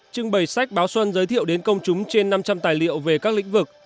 trưng bày sách báo xuân giới thiệu đến công chúng trên năm trăm linh tài liệu về các lĩnh vực